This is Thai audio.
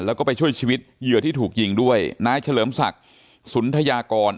แล้วก็ไปช่วยชีวิตเหยื่อที่ถูกยิงด้วยนายเฉลิมศักดิ์สุนทยากร